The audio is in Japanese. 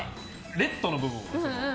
レットの部分は？